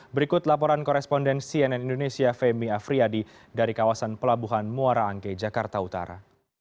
berikut laporan koresponden cnn indonesia femi afriyadi dari kawasan pelabuhan muara angke jakarta utara